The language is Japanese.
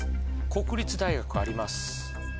国立大学あります。